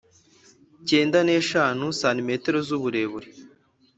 cyenda n eshanu cm z uburebure